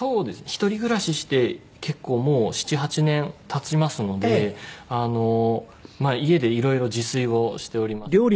一人暮らしして結構もう７８年経ちますのであのまあ家でいろいろ自炊をしておりまして結構。